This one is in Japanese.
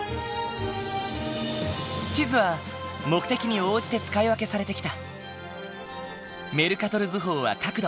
地図は目的に応じて使い分けされてきた。